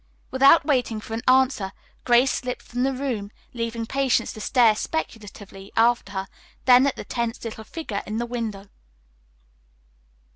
Without waiting for an answer, Grace slipped from the room, leaving Patience to stare speculatively after her, then at the tense little figure in the window.